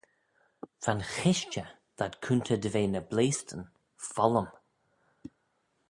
Va'n chishtey v'ad coontey dy ve ny bleaystan follym.